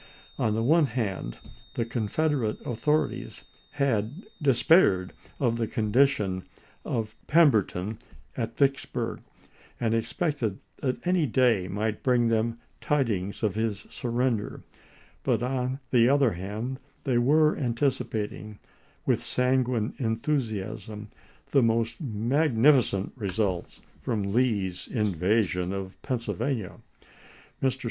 On the one hand the Confederate au thorities had despaired of the condition of Pember ton at Vicksburg, and expected that any day might bring them tidings of his surrender, but on the other hand they were anticipating with sanguine enthusiasm the most magnificent results from Lee's invasion of Pennsylvania. Mr.